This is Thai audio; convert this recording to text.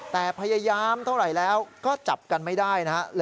แต่พยายามเท่าไหร่แล้วก็จับกันไม่ได้นะฮะ